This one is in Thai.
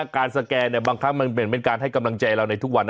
การสแกนเนี่ยบางครั้งมันเป็นการให้กำลังใจเราในทุกวันน่ะ